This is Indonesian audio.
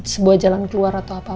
sebuah jalan keluar atau apa